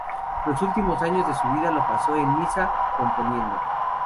Los últimos años de su vida los pasó en Niza componiendo.